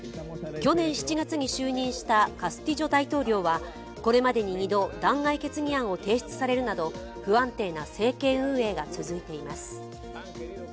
去年７月に就任したカスティジョ大統領はこれまでに２度、弾劾決議案を提出されるなど不安定な政権運営が続いています。